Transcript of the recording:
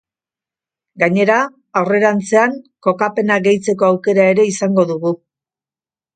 Gainera, aurrerantzean kokapena gehitzeko aukera ere izango dugu.